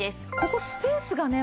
ここスペースがね